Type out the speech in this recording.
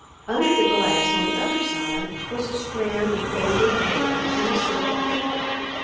Under the glass on the other side was a strand of faded hair and a slip of paper.